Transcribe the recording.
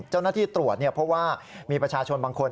เจ้าหน้าที่ตรวจเพราะว่ามีประชาชนบางคน